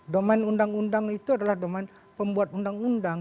domain undang undang itu adalah domain pembuat undang undang